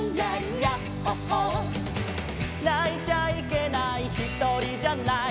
「泣いちゃいけないひとりじゃない」